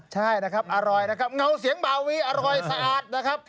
ใช่นะครับอร่อยนะครับเงาเสียงบาวีอร่อยสะอาดนะครับ